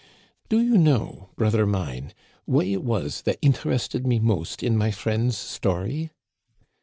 " Do you know, brother mine, what it was that inter ested me most in my friend's story